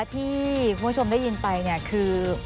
ที่คุณผู้ชมได้ยินไปเนี่ยคือ